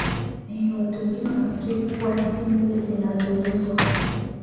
ee watu wengine wanafikiri kuwa hizi nywele zinazouzwa